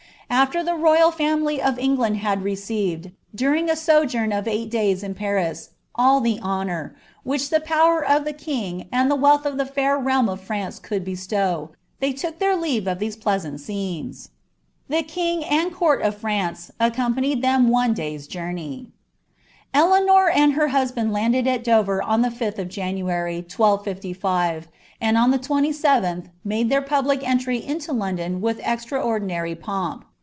Ailer the royal family of England had received, during a sojourn of eiglit days in Paris, all the honour, which the power of the king, and the wealth of the fair realm of France could bestow, they took their leave of these pleasant scenes. The king and court of France accompanied them one day's journey. DeancHT and her husband landed at Dover on the fiAh of January, lt55, and on the 27th made their public entry into London with extra oidinaiy pomp.